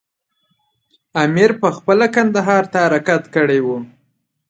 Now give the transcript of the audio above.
امیر پخپله کندهار ته حرکت کړی وو.